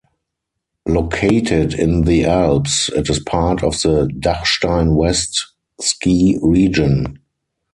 Located in the Alps, it is part of the Dachstein West ski region.